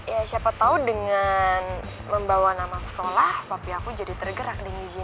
ya siapa tau dengan membawa nama sekolah papi aku jadi tergerak di ngizinin